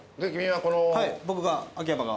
はい僕が秋山が。